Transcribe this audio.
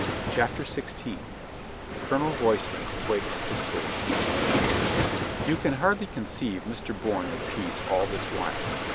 CHAPTER SIXTEEN COLONEL ROYSTON BREAKS HIS SWORD "V/'OU can hardly conceive Mr. Bourne at peace all * this while.